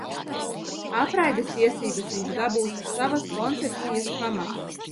Apraides tiesības viņš dabūs uz savas koncepcijas pamata.